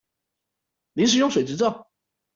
臨時用水執照